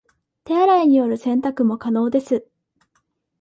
手洗いによる洗濯も可能です